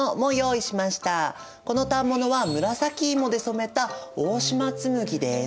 この反物は紫芋で染めた大島紬です。